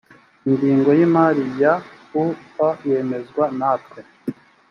ingengo y imari ya u p yemezwa natwe